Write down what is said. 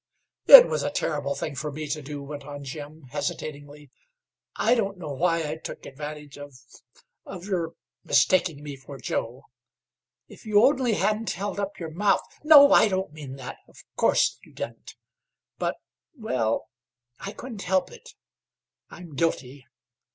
"It was a terrible thing for me to do," went on Jim, hesitatingly. "I don't know why I took advantage of of your mistaking me for Joe. If you only hadn't held up your mouth. No I don't mean that of course you didn't. But well, I couldn't help it. I'm guilty.